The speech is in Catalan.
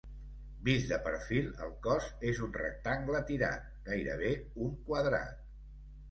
Vist de perfil el cos és un rectangle tirat, gairebé un quadrat.